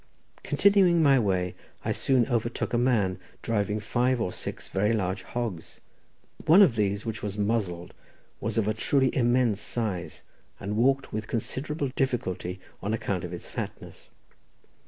Continuing my way, I soon overtook a man driving five or six very large hogs. One of these, which was muzzled, was of a truly immense size, and walked with considerable difficulty, on account of its fatness.